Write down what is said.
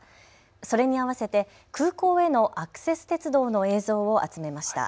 それに合わせて空港へのアクセス鉄道の映像を集めました。